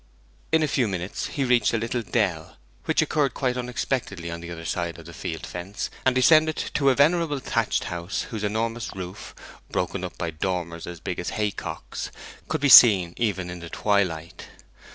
In a few minutes he reached a little dell, which occurred quite unexpectedly on the other side of the field fence, and descended to a venerable thatched house, whose enormous roof, broken up by dormers as big as haycocks, could be seen even in the twilight.